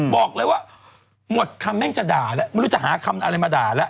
บอกเลยว่าหมดคำแม่งจะด่าแล้วไม่รู้จะหาคำอะไรมาด่าแล้ว